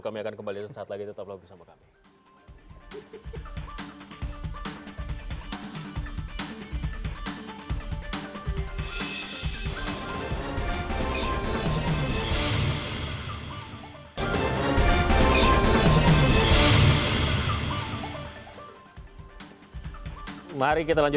kami akan kembali sesaat lagi tetap lagi bersama kami